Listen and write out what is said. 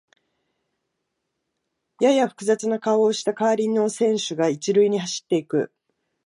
やや複雑な顔をした代わりの選手が一塁に走っていく